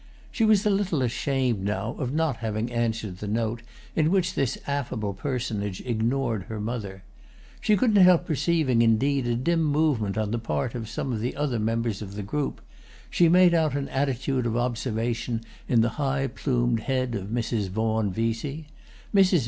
She was a little ashamed now of not having answered the note in which this affable personage ignored her mother. She couldn't help perceiving indeed a dim movement on the part of some of the other members of the group; she made out an attitude of observation in the high plumed head of Mrs. Vaughan Vesey. Mrs.